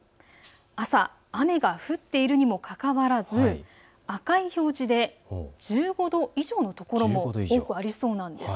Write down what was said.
朝雨が降っているにもかかわらず赤い表示で１５度以上の所が多くありそうです。